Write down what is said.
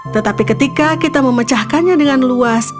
tetapi ketika kita memecahkannya dengan luas